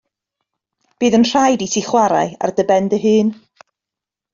Bydd yn rhaid i ti chwarae ar dy ben dy hun.